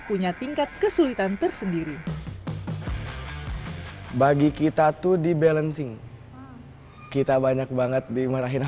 punya tingkat kesulitan tersendiri bagi kita tuh di balancing kita banyak banget dimarahin